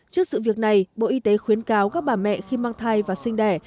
trước sự việc này bộ y tế khuyến cáo các bà mẹ khi mang thai và sinh đẻ